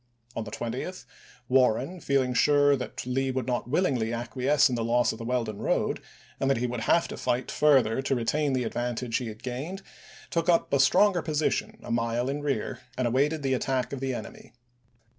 On the 20th, Warren, feeling sure that Lee would not willingly acquiesce in the loss of the Weldon road, and that he would have to fight further to retain the advantage he had gained, took up a stronger position a mile in rear, and awaited the attack of the enemy.